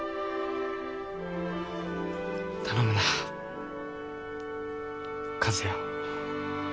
頼むな和也を。